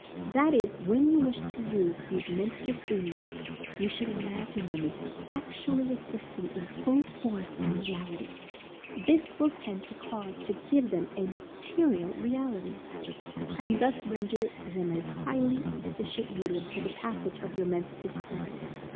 That is, when you wish to use these Mentative Beams, you should imagine them as actually existing in full force and reality — this will tend to cause to give them a material reality, and thus render them a highly effi cient medium for the passage of your Mentative Cur rents.